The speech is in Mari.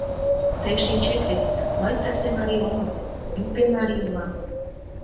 — Тый шинчет вет, мый тысе марий омыл, Ӱпӧ марий улам.